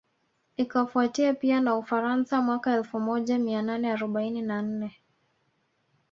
Ikafuatia pia na Ufaransa mwaka elfu moja mia nane arobaini na nne